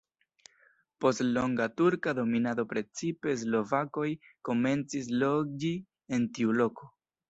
Post longa turka dominado precipe slovakoj komencis loĝi en tiu loko.